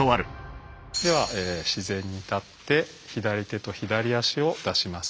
では自然に立って左手と左足を出します。